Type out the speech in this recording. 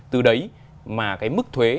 từ đấy mà cái mức thuế